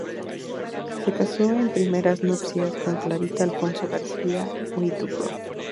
Se casó en primeras nupcias con Clarita Alfonso García-Huidobro.